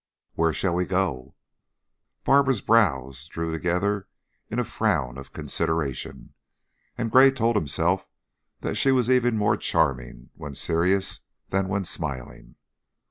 "Where shall we go?" Barbara's brows drew together in a frown of consideration, and Gray told himself that she was even more charming when serious than when smiling.